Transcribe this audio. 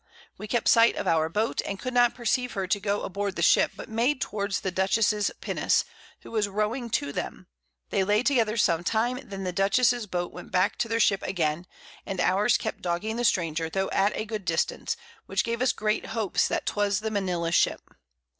We kept sight of our Boat, and could not perceive her to go aboard the Ship, but made towards the Dutchess's Pinnace, who was rowing to them; they lay together some time, then the Dutchess's Boat went back to their Ship again, and ours kept dogging the Stranger, tho' at a good distance, which gave us great hopes that 'twas the Manila Ship.